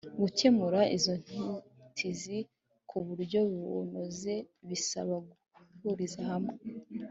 gukemura izo nzitizi ku buryo bunoze bisaba guhuriza hamwe